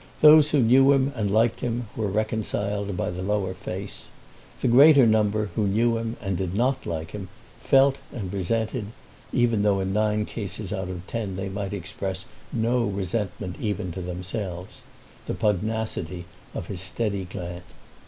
They who knew him and liked him were reconciled by the lower face. The greater number who knew him and did not like him felt and resented, even though in nine cases out of ten they might express no resentment even to themselves, the pugnacity of his steady glance.